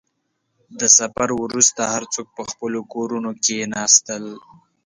• د سفر وروسته، هر څوک په خپلو کورونو کښېناستل.